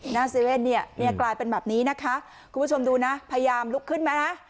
๗๑๑เนี่ยกลายเป็นแบบนี้นะคะคุณผู้ชมดูนะพยายามลุกขึ้นมานะ